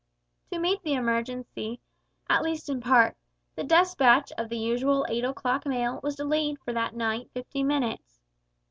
To meet the emergency, at least in part, the despatch of the usual eight o'clock mail was delayed for that night fifty minutes.